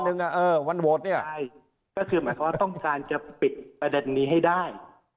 คือหมายความว่าต้องการจะปิดประเด็นนี้ให้ได้